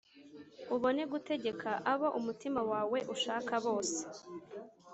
ubone gutegeka abo umutima wawe ushaka bose.